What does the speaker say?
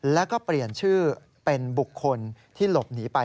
แล้วก็เปลี่ยนชื่อเป็นบุคคลที่หลบหนีไป